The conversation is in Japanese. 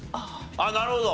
あっなるほど。